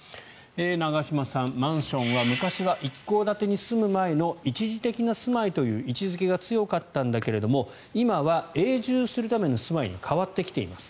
長嶋さん、マンションは昔は一戸建てに住む前の一時的な住まいという位置付けが強かったんだけども今は永住するための住まいに変わってきています